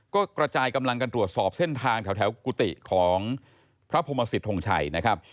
ก็กระจายกำลังกันตรวจสอบเส้นทางแถวกุฏิของพระพรหมสิทธงชัยนะครับ